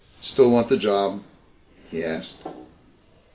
"Still want the job?" he asked.